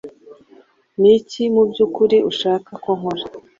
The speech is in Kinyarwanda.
Niki mubyukuri ushaka ko nkora?